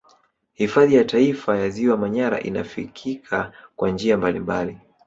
Hifadhi ya Taifa ya ziwa Manyara inafikika kwa njia mbalimbali